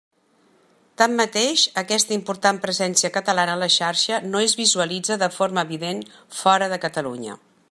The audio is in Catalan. Tanmateix, aquesta important presència catalana a la Xarxa no es visualitza de forma evident fora de Catalunya.